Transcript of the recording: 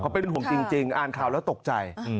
เป็นห่วงจริงอ่านข่าวแล้วตกใจ